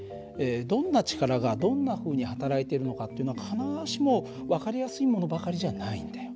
どんな力がどんなふうにはたらいているのかっていうのは必ずしも分かりやすいものばかりじゃないんだよ。